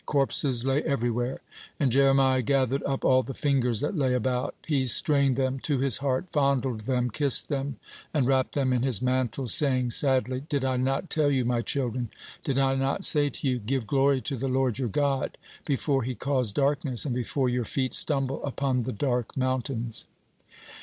Corpses lay everywhere, and Jeremiah gathered up all the fingers that lay about; he strained them to his heart, fondled them, kissed them, and wrapped them in his mantle, saying sadly: "Did I not tell you, my children, did I not say to you, 'Give glory to the Lord your God, before He cause darkness, and before your feet stumble upon the dark mountains'?"